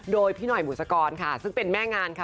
โดยพี่หน่อยบุษกรค่ะซึ่งเป็นแม่งานค่ะ